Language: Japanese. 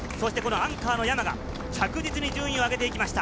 アンカーの山賀、着実に順位を上げてきました。